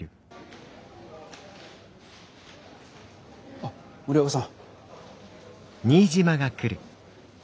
あっ森若さん。